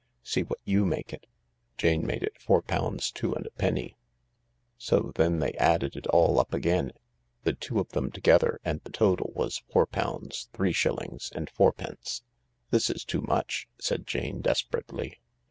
" See what you make it." Jane made it four pounds two and a penny. So then they added it all up again, the two of them together, and the total was four pounds three shillings and foirtpence. " This is too much I " said Jane desperately.